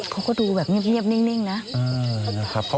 เขาก็ดูแบบเงียบนิ่งนะ